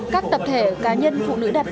các tập thể cá nhân phụ nữ đặc biệt